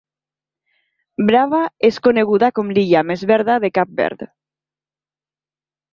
Brava és coneguda com l'illa més verda de Cap Verd.